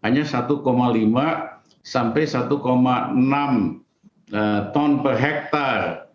hanya satu lima sampai satu enam ton per hektare